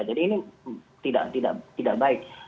jadi ini tidak baik